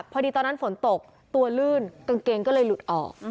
ตอนนั้นฝนตกตัวลื่นกางเกงก็เลยหลุดออก